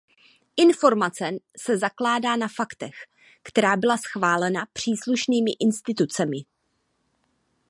Informace se zakládá na faktech, která byla schválena příslušnými institucemi.